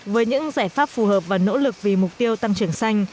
với những giải pháp phù hợp và nỗ lực vì mục tiêu tăng trưởng xanh